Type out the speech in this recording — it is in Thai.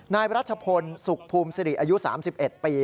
นายรัชพลสุขภูมิสิริอายุ๓๑ปี